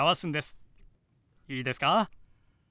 いいですか？